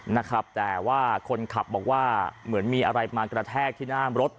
นะครับแต่ว่าคนขับบอกว่าเหมือนมีอะไรมากระแทกที่หน้ารถ